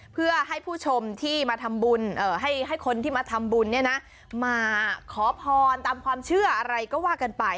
เพื่อให้ผู้ชมที่มาทำบุญให้คนที่มาทำบุญเนี่ยนะมาขอพรตามความเชื่ออะไรก็ว่ากันไป